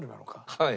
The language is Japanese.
はい。